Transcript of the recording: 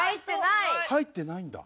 入ってないんだ。